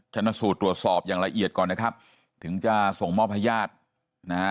ชนสูตรตรวจสอบอย่างละเอียดก่อนนะครับถึงจะส่งมอบให้ญาตินะฮะ